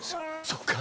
そっか。